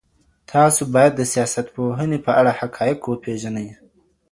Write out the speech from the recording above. تاسو بايد د سياست پوهني په اړه حقايق وپېژنئ.